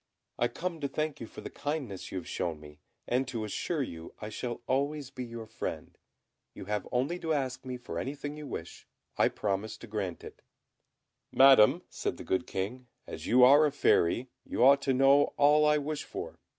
I come to thank you for the kindness you have shown me, and to assure you I shall always be your friend. You have only to ask me for anything you wish, I promise to grant it." "Madam," said the good King, "as you are a Fairy, you ought to know all I wish for.